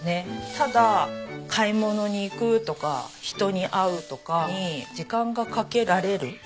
ただ買い物に行くとか人に会うとかに時間がかけられる。